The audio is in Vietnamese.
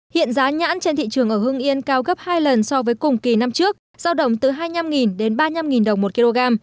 hiện giá nhãn trên thị trường ở hưng yên cao gấp hai lần so với cùng kỳ năm trước giao động từ hai mươi năm đến ba mươi năm đồng một kg